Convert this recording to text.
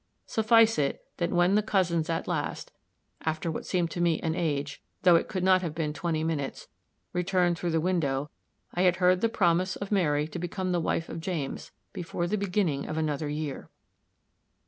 Suffice it, that when the cousins at last after what seemed to me an age, though it could not have been twenty minutes returned through the window, I had heard the promise of Mary to become the wife of James before the beginning of another year.